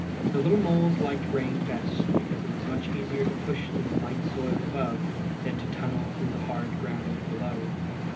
The little moles liked rain best because it was much easier to push through the light soil above than to tunnel through the hard ground below.